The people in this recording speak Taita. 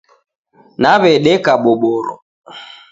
Naw'adeka boboro.